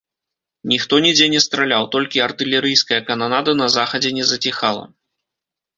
Ніхто нідзе не страляў, толькі артылерыйская кананада на захадзе не заціхала.